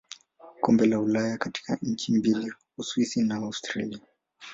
Kombe la Ulaya katika nchi mbili Uswisi na Austria.